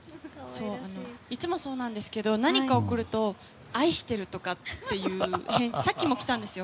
いつもそうなんですけど何か送ると愛してるとかっていう返事がさっきも来たんですよ。